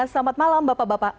selamat malam bapak bapak